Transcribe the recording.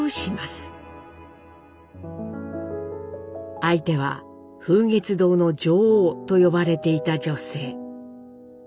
相手は「風月堂の女王」と呼ばれていた女性。